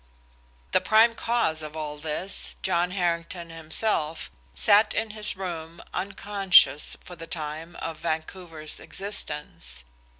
The prime cause of all this, John Harrington himself, sat in his room, unconscious, for the time, of Vancouver's existence.